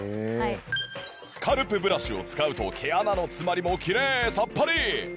スカルプブラシを使うと毛穴の詰まりもきれいさっぱり